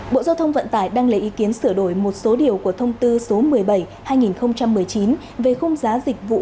bộ giao thông vận tải đang lấy ý kiến sửa đổi một số điều của thông tư số một mươi bảy hai nghìn một mươi chín về khung giá dịch vụ